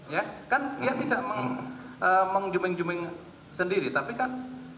ya kan dia tidak mengajukan zooming zooming sendiri tapi kan